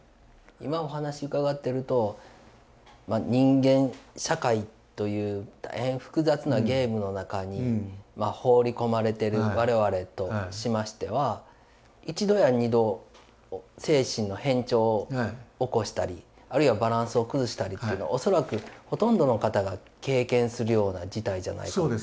今お話伺ってると人間社会という大変複雑なゲームの中に放り込まれてる我々としましては一度や二度精神の変調を起こしたりあるいはバランスを崩したりっていうのを恐らくほとんどの方が経験するような事態じゃないかと。